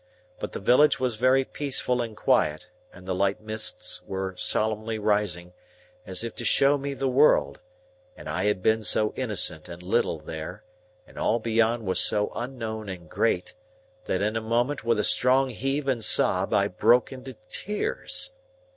But the village was very peaceful and quiet, and the light mists were solemnly rising, as if to show me the world, and I had been so innocent and little there, and all beyond was so unknown and great, that in a moment with a strong heave and sob I broke into tears.